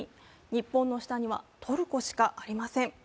日本の下にはトルコしかありません。